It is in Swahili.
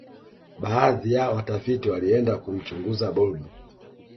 baadhi ya watafiti walienda kumchunguza blob